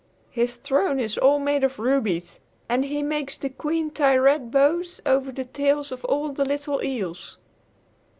His throne is all made of rubies, and he makes the Queen tie red bows on the tails of all the little eels."